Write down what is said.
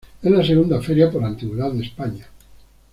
Es la segunda feria por antigüedad de España.